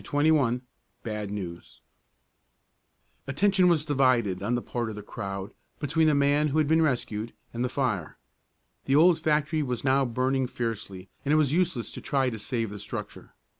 CHAPTER XXI BAD NEWS Attention was divided, on the part of the crowd, between the man who had been rescued, and the fire. The old factory was now burning fiercely and it was useless to try to save the structure.